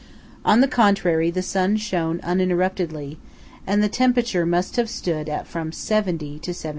On the contrary, the sun shone uninterruptedly, and the temperature must have stood at from 70° to 75°.